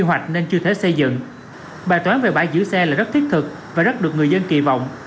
quy hoạch nên chưa thể xây dựng bài toán về bãi giữ xe là rất thiết thực và rất được người dân kỳ vọng